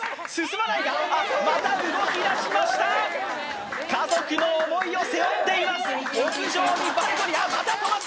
また動きだしました家族の思いを背負っていますあっ